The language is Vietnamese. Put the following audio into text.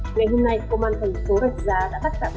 ngày hôm nay công an thành phố rạch giá đã bắt tặng